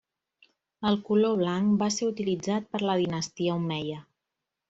El color blanc va ser utilitzat per la dinastia omeia.